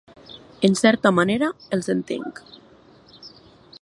En certa manera, els entenc.